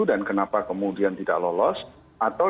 dan kenapa kemudian tidak lolos atau